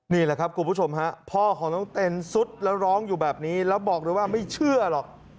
นี่แหละครับคุณผู้ชมฮะพ่อของน้องเต้นซุดแล้วร้องอยู่แบบนี้แล้วบอกเลยว่าไม่เชื่อหรอก